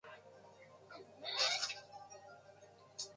彼女は起きるのが遅い